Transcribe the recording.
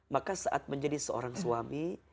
maka saat menjadi seorang suami